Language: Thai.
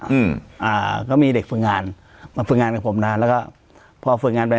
อืมอ่าก็มีเด็กฝึกงานมาฝึกงานกับผมนานแล้วก็พอฝึกงานไป